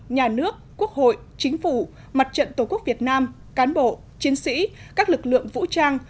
nhà nước quốc hội chính phủ mặt trận tổ quốc việt nam cán bộ chiến sĩ các lực lượng vũ trang